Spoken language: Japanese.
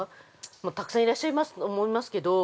たくさんいらっしゃると思いますけど。